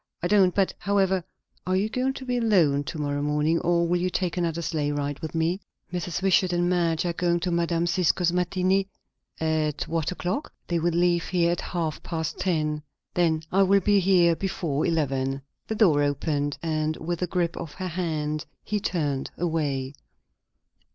"I don't; but, however Are you going to be alone to morrow morning, or will you take another sleigh ride with me?" "Mrs. Wishart and Madge are going to Mme. Cisco's matinée." "At what o'clock?" "They will leave here at half past ten." "Then I will be here before eleven." The door opened, and with a grip of her hand he turned away.